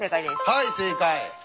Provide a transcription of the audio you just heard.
はい正解。